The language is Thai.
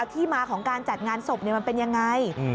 ที่มาของการจัดงานศพมันเป็นยังไง